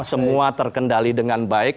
semua terkendali dengan baik